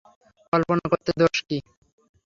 কল্পনা করতে দোষ কী।